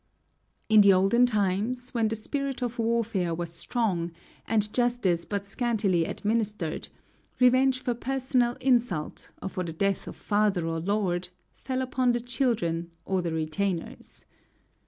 In the olden times, when the spirit of warfare was strong and justice but scantily administered, revenge for personal insult, or for the death of father or lord, fell upon the children, or the retainers.